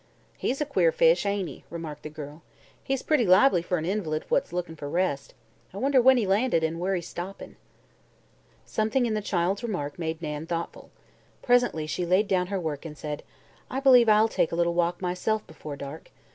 "He's a queer fish, ain't he?" remarked the girl. "He's pretty lively for an invalid what's lookin' for rest. I wonder when he landed, an' where he's stoppin'." Something in the child's remark made Nan thoughtful. Presently she laid down her work and said: "I believe I'll take a little walk, myself, before dark.